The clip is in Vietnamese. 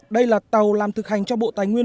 đây là tàu làm thực hành cho bộ tài nguyên